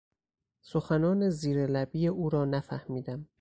سخنان زیر لبی او را نفهمیدم.